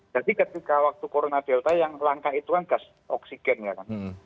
jadi ketika waktu corona delta yang langka itu gas oksigen ya kan